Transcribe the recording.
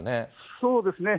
そうですね。